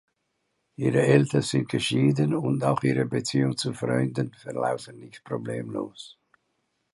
Ihre Eltern sind geschieden und auch ihre Beziehungen zu Freunden verlaufen nicht problemlos.